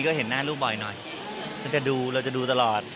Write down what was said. เราจะดูตลอด